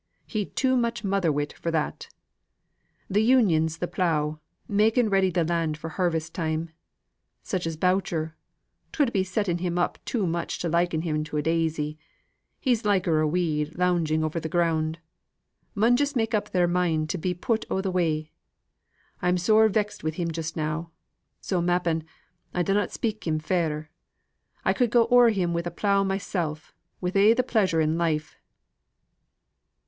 He'd too much mother wit for that. Th' Union's the plough, making ready the land for harvest time. Such as Boucher 'twould be settin' him up too much to liken him to a daisy; he's liker a weed lounging over the ground mun just made up their mind to be put out o' the way. I'm sore vexed wi' him just now. So m'appen, I dunnot speak him fair. I could go o'er him wi' a plough mysel', wi' a' the pleasure in life."